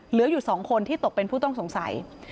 เหลืออยู่๒คนที่ตกเป็นผู้ต้องสงสัย